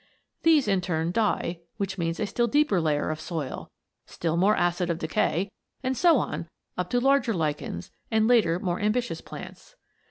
These in turn die, which means a still deeper layer of soil, still more acid of decay, and so on up to larger lichens and later more ambitious plants.